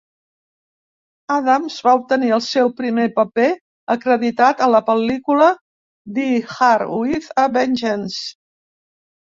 Adams va obtenir el seu primer paper acreditat a la pel·lícula "Die Hard with a Vengeance".